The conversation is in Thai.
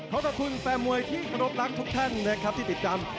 ขอบคุณแฟมมวยที่รับรักทุกท่านนะครับที่ติดจำ